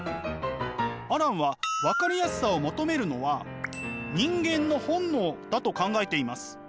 アランは分かりやすさを求めるのは人間の本能だと考えています。